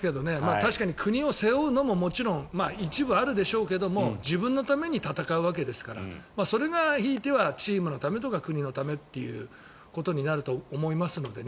確かに国を背負うのも一部あるでしょうけれども自分のために戦うわけですからそれがひいてはチームのためとか国のためということになると思いますのでね。